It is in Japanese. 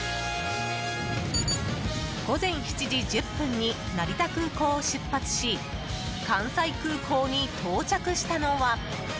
午前７時１０分に成田空港を出発し関西空港に到着したのは。